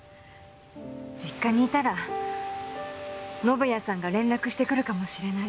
実家にいたら宣也さんが連絡してくるかもしれない。